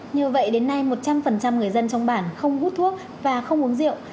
như vậy đến nay một trăm linh người dân trong bản không hút thuốc và không uống rượu